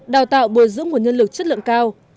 đào tạo bồi dưỡng nguồn nhân lực chất lượng cao